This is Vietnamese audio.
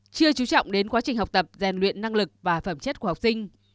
chưa chú trọng đến quá trình học tập rèn luyện năng lực và phẩm chất của học sinh